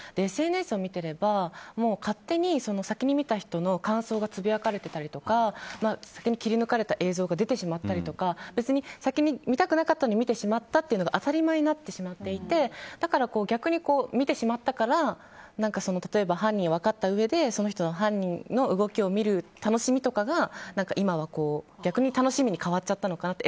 ＳＮＳを見てれば勝手に先に見た人の感想がつぶやかれてたりとか先に切り抜かれた映像が出てしまったりとか別に先に見たくなかったのに見てしまったというのが当たり前になってしまっていてだから逆に見てしまったから例えば犯人が分かったうえでその犯人の動きを見る楽しみとかが今は逆に楽しみに変わっちゃったのかなと。